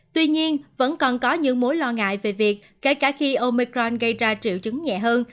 tuy nhiên vẫn còn có những mối lo ngại về việc kể cả khi omicron gây ra triệu chứng nhẹ hơn